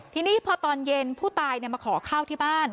ทีนี้พอตอนเย็นผู้ตายมาขอข้าวที่บ้าน